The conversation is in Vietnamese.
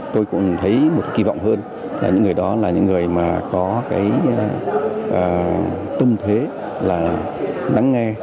tôi cũng thấy một kỳ vọng hơn là những người đó là những người mà có cái tâm thế là nắng nghe